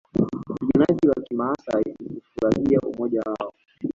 Wapiganaji wa kimaasai hufurahia umoja wao